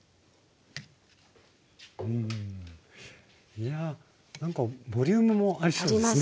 いやなんかボリュームもありそうですね。